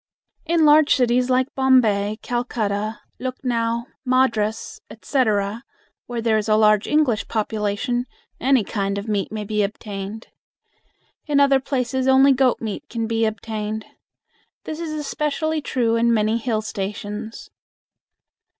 In large cities like Bombay, Calcutta, Lucknow, Madras, etc., where there is a large English population, any kind of meat may be obtained. In other places only goat meat can be obtained. This is especially true in many hill stations.